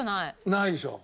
ないでしょ？